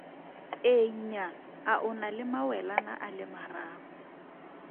Ee Nnyaa A o na le mawelana a le mararo?